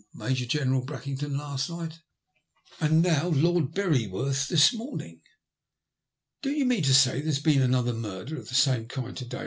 Major General Brackington last night, and now Lord Beryworth this morning." "Do you mean to say there has been another murder of the same kind to day?"